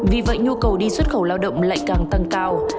vì vậy nhu cầu đi xuất khẩu lao động lại càng tăng cao